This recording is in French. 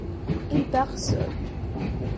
Il part seul.